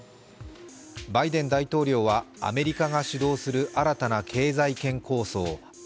バイデン大統領は、アメリカが主導する新たな経済圏構想